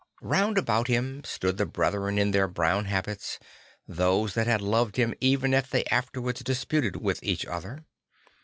Round about him stood the brethren in their brown habits, those that had loved him even if they afterwards disputed with each other.